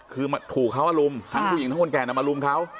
คือถูกเขารุมทั้งผู้หญิงทั้งคนแก่นำมาลุมเขา